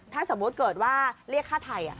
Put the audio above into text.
ถ้าสมมุติเกิดว่าเรียกค่าไทย